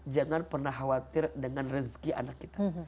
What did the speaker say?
jangan pernah khawatir dengan rezeki anak kita